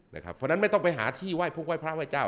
เพราะฉะนั้นไม่ต้องไปหาที่ไห้พระเว้า